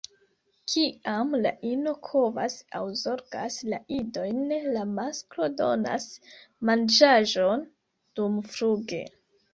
Kiam la ino kovas aŭ zorgas la idojn, la masklo donas manĝaĵon dumfluge.